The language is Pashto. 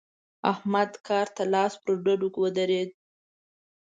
احمد کار ته لاس پر ډډو ودرېد.